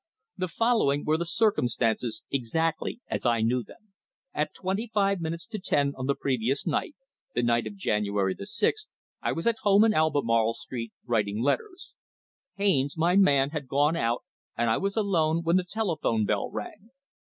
The following were the circumstances exactly as I knew them. At twenty five minutes to ten on the previous night the night of January the sixth I was at home in Albemarle Street, writing letters. Haines, my man, had gone out, and I was alone, when the telephone bell rang.